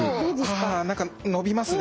はあ何か伸びますね。